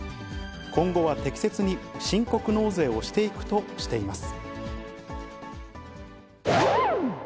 今後は適切に申告納税をしていくとしています。